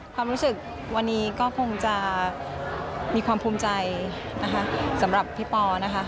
ความรู้สึกวันนี้ก็คงจะมีความภูมิใจนะคะสำหรับพี่ปอนะคะ